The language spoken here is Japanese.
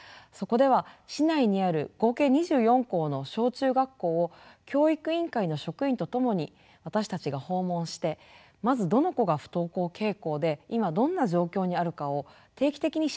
そこでは市内にある合計２４校の小中学校を教育委員会の職員と共に私たちが訪問してまずどの子が不登校傾向で今どんな状況にあるかを定期的に調べるところから始めました。